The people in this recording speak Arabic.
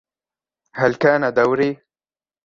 هل كان دوري؟